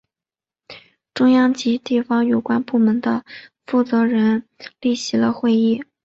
中央及地方有关部门的负责人列席了会议。